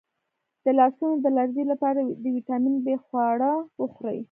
د لاسونو د لرزې لپاره د ویټامین بي خواړه وخورئ